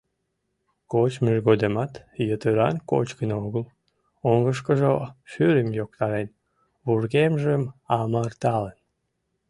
Кочмыж годымат йытыран кочкын огыл: оҥышкыжо шӱрым йоктарен, вургемжым амыртылын.